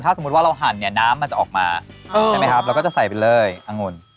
สมมุติว่าเราหั่นเนี่ยน้ำมันจะออกมาใช่ไหมครับเราก็จะใส่ไปเลยอังุ่น